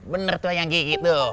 bener tuh yang kiki tuh